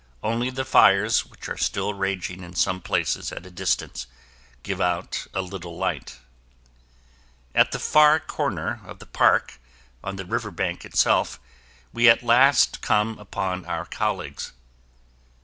Only the fires, which are still raging in some places at a distance, give out a little light. At the far corner of the park, on the river bank itself, we at last come upon our colleagues.